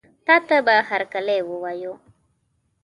تاته به هرکلی ووایو.